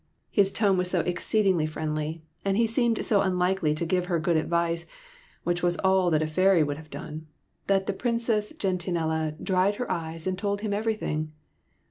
His tone was so exceedingly friendly, and he seemed so unlikely to give her good advice, which was all that a fairy would have done, that the Princess Gentianella dried her eyes and told him everything.